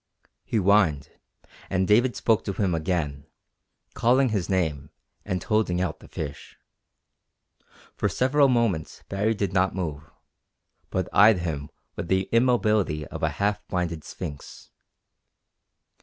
He whined, and David spoke to him again, calling his name, and holding out the fish. For several moments Baree did not move, but eyed him with the immobility of a half blinded sphinx.